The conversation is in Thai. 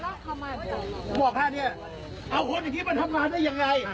ถ้าไม่ทำนั่งทีผมเล่านะบอกก่อนท่านผู้ใหญ่